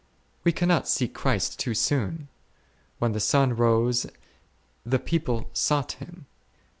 We cannot seek Christ too soon ; when the sun rose the people sought Him.